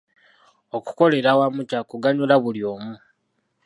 Okukolera awamu kya kuganyula buli omu.